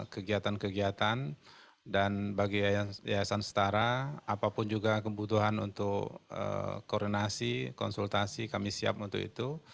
kegiatan kegiatan dan bagi yayasan setara apapun juga kebutuhan untuk koordinasi konsultasi kami siap untuk itu